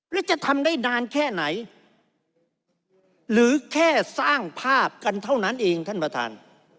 แล้วจะทำได้นานแค่ไหนหรือแค่สร้างภาพกันเท่านั้นเองท่านประธาน